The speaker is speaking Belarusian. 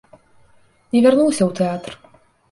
Не вярнуся ў тэатр!